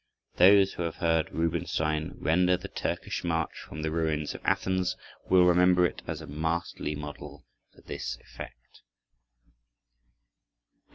Those who have heard Rubinstein render the Turkish march from "The Ruins of Athens" will remember it as a masterly model for this effect.